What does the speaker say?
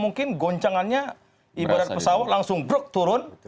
mungkin goncangannya ibarat pesawat langsung brok turun